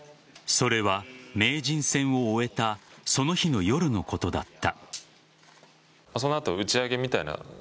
それは名人戦を終えたその日の夜のことだった。